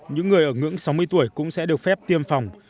những người ở ngưỡng sáu mươi tuổi cũng sẽ được phép tiêm phòng